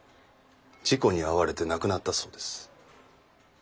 事故に遭われて亡くなったそうです。